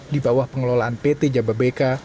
di bawah pengelolaan pt jababeka